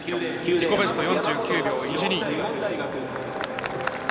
自己ベスト、４９秒１２。